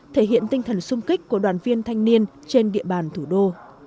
thể hiện tinh thần sung kích của đoàn viên thanh niên trên địa bàn thủ đô